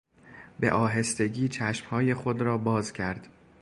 به آهستگی چشمهای خود را باز کرد.